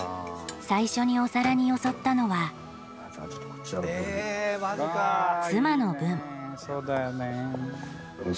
最初にお皿によそったのは妻の分。